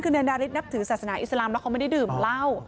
คือนายดาริสนับถือศาสนาอิสลามแล้วเขาไม่ได้ดื่มเหล้า